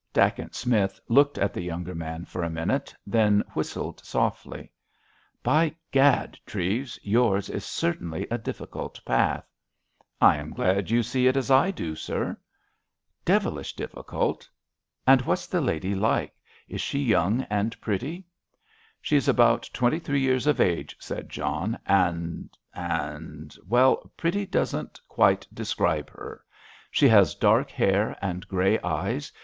Dacent Smith looked at the younger man for a minute, then whistled softly. "By gad, Treves, yours is certainly a difficult path." "I am glad you see it as I do, sir." "Devilish difficult—and what's the lady like? Is she young and pretty?" "She is about twenty three years of age," said John, "and—and, well pretty doesn't quite describe her. She has dark hair and grey eyes.